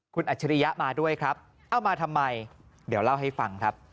คุณอัจฉริยะมาด้วยครับเอามาทำไมเดี๋ยวเล่าให้ฟังครับ